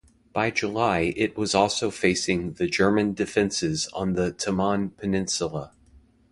By July it was also facing the German defenses on the Taman Peninsula.